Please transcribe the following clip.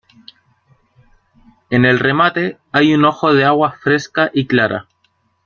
En El Remate hay un ojo de agua fresca y clara.